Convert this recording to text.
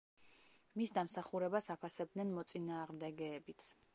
მის დამსახურებას აფასებდნენ მოწინააღმდეგეებიც.